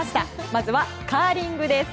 まずはカーリングです。